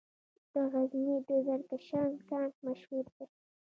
د غزني د زرکشان کان مشهور دی